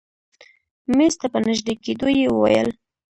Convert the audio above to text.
مېز ته په نژدې کېدو يې وويل.